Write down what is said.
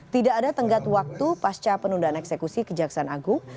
tidak ada tenggat waktu pasca penundaan eksekusi kejaksaan agung